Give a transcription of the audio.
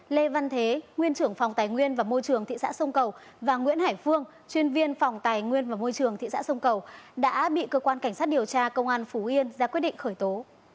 lê văn thế nguyên trưởng phòng tài nguyên và môi trường thị xã sông cầu và nguyễn hải phương chuyên viên phòng tài nguyên và môi trường thị xã sông cầu đã bị cơ quan cảnh sát điều tra công an phú yên ra quyết định khởi tố